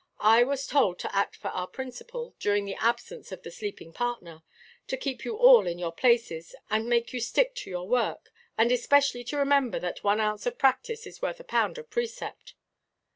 I was told to act for our principal, during the absence of the sleeping partner; to keep you all in your places, and make you stick to your work; and especially to remember that one ounce of practice is worth a pound of precept."